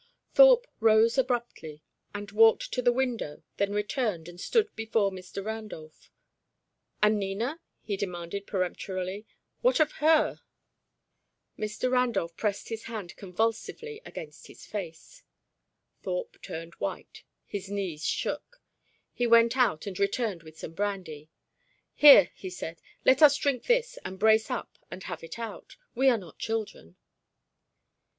Thorpe rose abruptly and walked to the window, then returned, and stood before Mr. Randolph. "And Nina?" he demanded, peremptorily. "What of her?" Mr. Randolph pressed his hand convulsively against his face. Thorpe turned white; his knees shook. He went out and returned with some brandy. "Here," he said. "Let us drink this and brace up and have it out. We are not children."